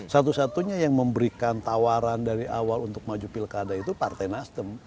satu satunya yang memberikan tawaran dari awal untuk maju pilkada itu partai nasdem